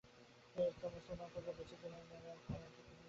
একটা মুসলমান প্রজার বেচে-কিনে নেবার মতো কিছু ছিল না।